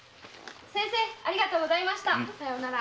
先生ありがとうございました！さようなら。